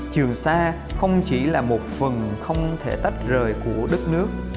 trường sa không chỉ là một phần không thể tách rời của đất nước